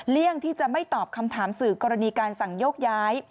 เลี่ยงที่จะไม่ตอบคำถามสื่อกรณีการสั่งโยกย้าย